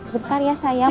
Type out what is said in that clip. bentar ya sayang